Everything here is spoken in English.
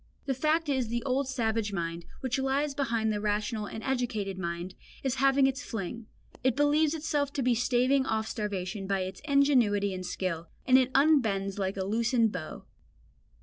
The fact is that the old savage mind, which lies behind the rational and educated mind, is having its fling; it believes itself to be staving off starvation by its ingenuity and skill, and it unbends like a loosened bow.